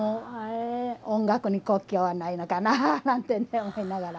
音楽に国境はないのかななんてね思いながら。